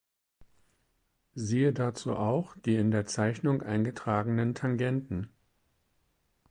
Siehe dazu auch die in der Zeichnung eingetragenen Tangenten.